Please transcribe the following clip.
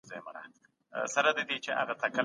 د کليوالو مهاجرت په اوسني وخت کې یوه لویه ننګونه ده.